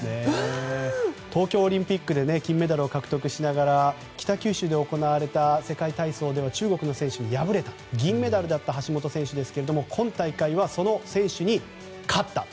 東京オリンピックで金メダルを獲得しながら北九州で行われた世界体操では中国の選手に敗れて銀メダルだった橋本選手ですが今大会はその選手に勝った。